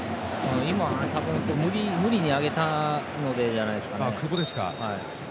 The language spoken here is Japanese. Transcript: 多分無理に上げたのでじゃないですかね。